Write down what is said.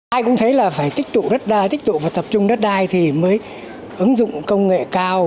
ai cũng thấy là phải tích tụ đất đai tích tụ và tập trung đất đai thì mới ứng dụng công nghệ cao